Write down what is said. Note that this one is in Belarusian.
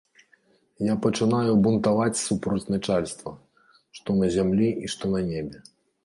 Я пачынаю бунтаваць супроць начальства, што на зямлі і што на небе.